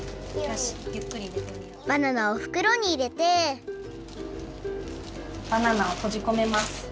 バナナをふくろにいれてバナナをとじこめます。